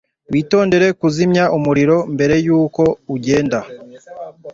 Witondere kuzimya umuriro mbere yuko ugenda.